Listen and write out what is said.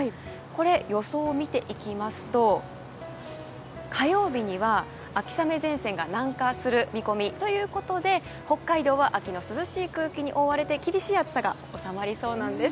予想を見ていきますと火曜日には秋雨前線が南下する見込み。ということで北海道は秋の涼しい空気に覆われ厳しい暑さが収まりそうです。